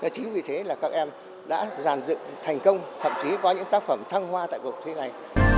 chính vì thế là các em đã giàn dựng thành công thậm chí có những tác phẩm thăng hoa tại cuộc thi này